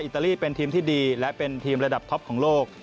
ตาลีเป็นทีมที่ดีและเป็นทีมระดับท็อปของโลก